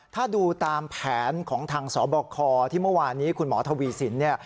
ถ้าดูตามแผนของทางสบคที่เมื่อวานนี้คุณหมอทวีสินเนี่ย